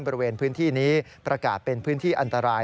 บริเวณพื้นที่นี้ประกาศเป็นพื้นที่อันตราย